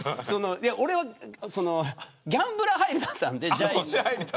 俺はギャンブラー入りだったんで、じゃい。